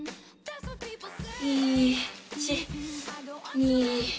１２。